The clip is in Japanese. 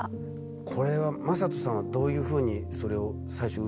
これは昌人さんはどういうふうにそれを最初受け止めたんですか？